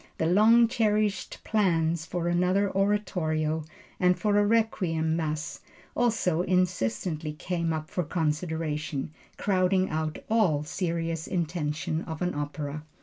The long cherished plans for another oratorio, and for a Requiem Mass also insistently came up for consideration, crowding out all serious intention of an opera.